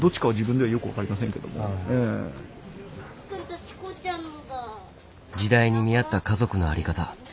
すごい！時代に見合った家族の在り方。